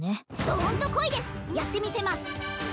どんとこいですやってみせます